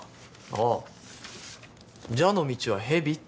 ああ「蛇の道は蛇」ってな。